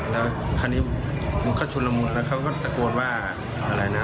แล้วคราวนี้มันก็ชุนละมุนแล้วเขาก็ตะโกนว่าอะไรนะ